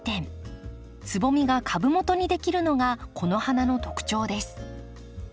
つぼみが株元にできるのがこの花の特徴です。